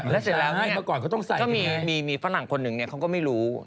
แล้วเสร็จแล้วนี่ก็มีฝรั่งคนก็ไม่รู้